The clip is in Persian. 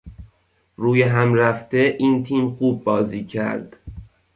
رویهم رفته این تیم خوب بازی کرد